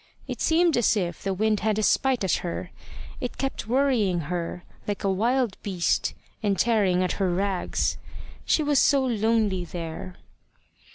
It seemed as if the wind had a spite at her it kept worrying her like a wild beast, and tearing at her rags. She was so lonely there!